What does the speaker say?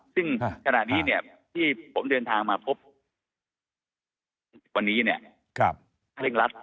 ซึ่งขณะนี้เนี้ยที่ผมเดินทางมาพบวันนี้เนี้ยครับ